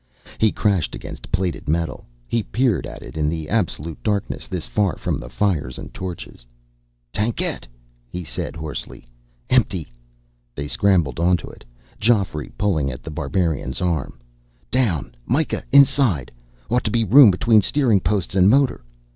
He crashed against plated metal. He peered at it in the absolute darkness this far from the fires and torches. "Tankette!" he said hoarsely. "Empty." They scrambled onto it, Geoffrey pulling at The Barbarian's arm. "Down, Myka inside. Ought to be room between steering posts and motor."